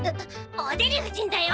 おデリ夫人だよ！